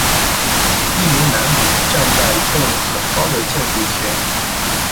一名男子站在一幢很高的建筑前